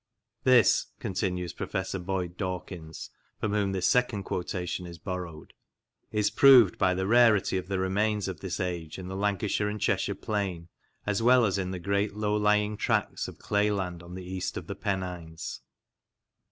This," continues Professor Boyd Dawkins, from whom this second quotation is borrowed, "is proved by the rarity of the remains of this age in the Lancashire and Cheshire plain, as well as in the great low lying tracts of clay land on the east of the Pennines."